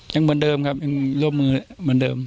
ยังเหมือนเดิมครับยังร่วมมือเหมือนเดิม